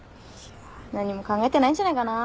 何も考えてないんじゃないかなぁ。